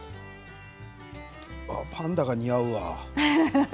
パンダが似合うわ。